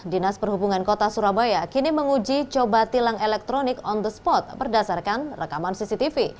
dinas perhubungan kota surabaya kini menguji coba tilang elektronik on the spot berdasarkan rekaman cctv